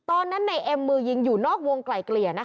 ในเอ็มมือยิงอยู่นอกวงไกลเกลี่ยนะคะ